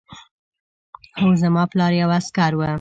هو زما پلار یو عسکر و